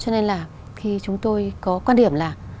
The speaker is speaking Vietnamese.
cho nên là khi chúng tôi có quan điểm là